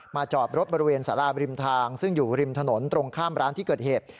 จอดรถบริเวณสาราบริมทางซึ่งอยู่ริมถนนตรงข้ามร้านที่เกิดเหตุ